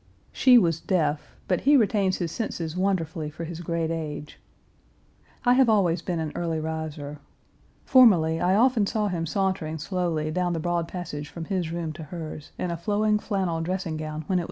She was deaf; but he retains his senses wonderfully for his great age. I have always been an early riser. Formerly I often saw him sauntering slowly down the broad passage from his room to hers, in a flowing flannel dressing gown when it was winter In 1.